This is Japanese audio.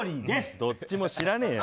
どっちも知らねえよ。